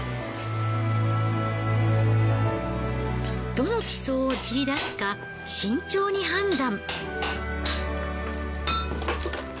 どの地層を切り出すか慎重に判断。